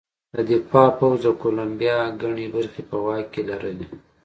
د دفاع پوځ د کولمبیا ګڼې برخې په واک کې لرلې.